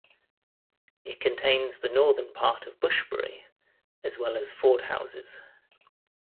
It contains the northern part of Bushbury as well as Fordhouses.